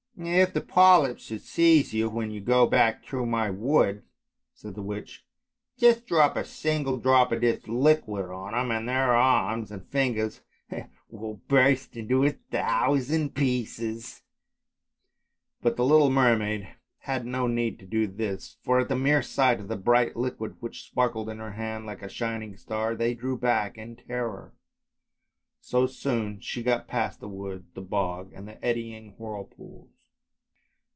" If the polyps should seize you, when you go back through my wood," said the witch, " just drop a single drop of this liquid on them, and their arms and lingers will burst into a thousand pieces." But the little mermaid had no need to do this, for at the mere sight of the bright liquid which sparkled in her hand like a shining star, they drew back in terror. So she soon got past the wood, the bog, and the eddying whirlpools.